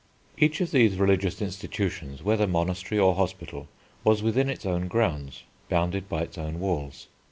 Each of these religious institutions, whether monastery or hospital, was within its own grounds, bounded by its own walls.